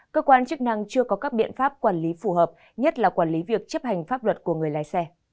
cơ quan chức năng chưa có các biện pháp quản lý phù hợp nhất là quản lý việc chấp hành pháp luật của người lái xe